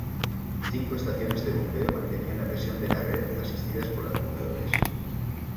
Cinco estaciones de bombeo mantenían la presión de la red, asistidas por acumuladores.